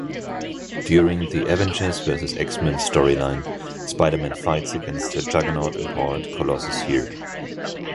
During the "Avengers versus X-Men" storyline, Spider-Man fights against a Juggernaut-empowered Colossus here.